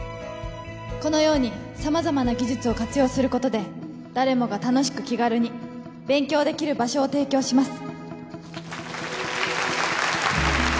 このようにさまざまな技術を活用することで誰もが楽しく気軽に勉強できる場所を提供します